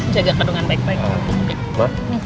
jaga kandungan baik baik